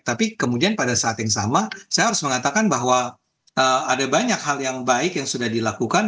tapi kemudian pada saat yang sama saya harus mengatakan bahwa ada banyak hal yang baik yang sudah dilakukan